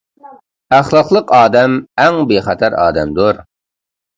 ئەخلاقلىق ئادەم ئەڭ بىخەتەر ئادەمدۇر.